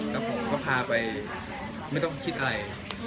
ก็พาไปไม่ต้องคิดอะไร